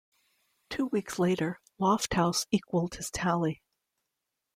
Two weeks later, Lofthouse equalled his tally.